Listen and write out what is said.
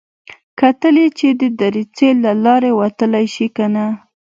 کتل يې چې د دريڅې له لارې وتلی شي که نه.